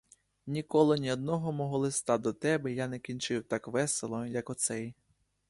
Ніколи ні одного мого листа до тебе я не кінчив так весело, як оцей.